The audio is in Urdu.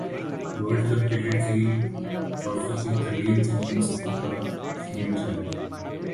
ورلڈ کپ کرکٹ کی ٹرافی کے طویل ترین سفر کا شیڈول جاری